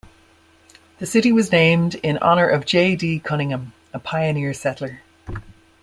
The city was named in honor of J. D. Cunningham, a pioneer settler.